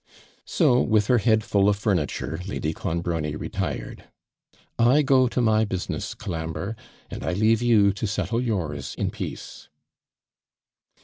So, with her head full of furniture, Lady Clonbrony retired. 'I go to my business, Colambre; and I leave you to settle yours in peace.'